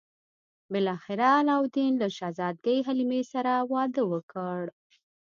بالاخره علاوالدین له شهزادګۍ حلیمې سره واده وکړ.